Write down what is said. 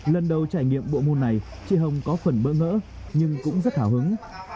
lần đầu trải nghiệm bộ môn này chị hồng có phần bỡ ngỡ nhưng cũng rất hào hứng